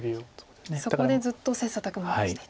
そこでずっと切磋琢磨していたと。